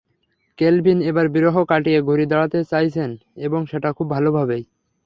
Kelvin এবার বিরহ কাটিয়ে ঘুরে দাঁড়াতে চাইছেন এবং সেটা খুব ভালোভাবেই।